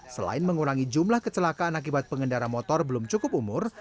selain mengurangi jumlah kecelakaan akibat pengendara motor belum cukup umur